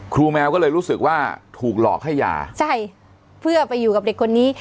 แมวก็เลยรู้สึกว่าถูกหลอกให้ยาใช่เพื่อไปอยู่กับเด็กคนนี้